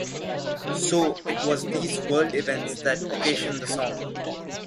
So it was these world events that occasioned the song.